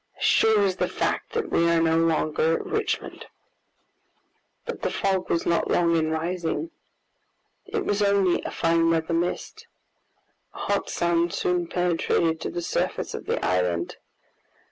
as sure as the fact that we are no longer at Richmond." But the fog was not long in rising. It was only a fine weather mist. A hot sun soon penetrated to the surface of the island.